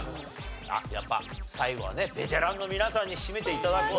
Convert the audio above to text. やっぱ最後はねベテランの皆さんに締めて頂こうと。